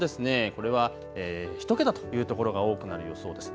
これは１桁だというところが多くなる予想です。